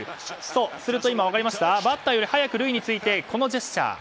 すると、バッターより早く塁に着いてこのジェスチャー。